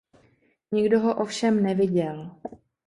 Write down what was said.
Nikdo ho ovšem neviděl.